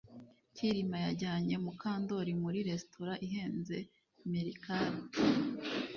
Kirima yajyanye Mukandoli muri resitora ihenze meerkat